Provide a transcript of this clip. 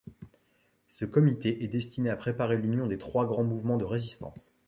Ce comité est destiné à préparer l'union des trois grands mouvements de résistance.